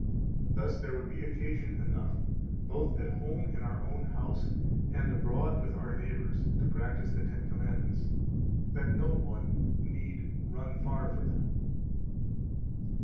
Thus there would be occasion enough, both at home in our own house and abroad with our neighbors, to practise the Ten Commandments, that no one need run far from them.